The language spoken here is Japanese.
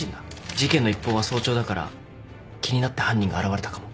事件の一報は早朝だから気になって犯人が現れたかも。